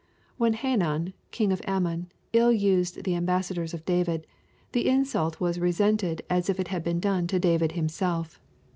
When Hanun, king of Ammon, ill used the ambassadors of Davidj the insult was resented as if it had been done to David himself.